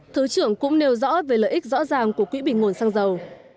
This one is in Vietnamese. thứ trưởng cũng nêu rõ về lợi ích rõ ràng của quỹ bình nguồn xăng dầu